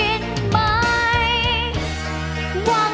เสียใจดีอีกมั้ย